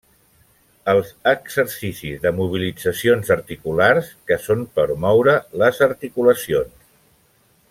Els exercicis de mobilitzacions articulars, que són per moure les articulacions.